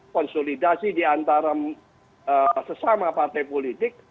konsolidasi di antara sesama partai politik